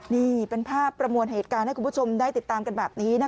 นี่เป็นภาพประมวลเหตุการณ์ให้คุณผู้ชมได้ติดตามกันแบบนี้นะคะ